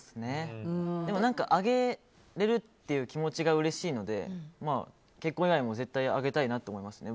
でもあげられるという気持ちがうれしいので結婚祝いも絶対あげたいなと思います。